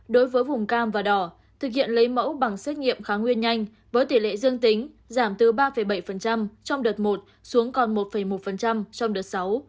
đối với vùng cam và đỏ thực hiện lấy mẫu bằng xét nghiệm kháng nguyên nhanh với tỷ lệ dương tính giảm từ ba bảy trong đợt một xuống còn một một trong đợt sáu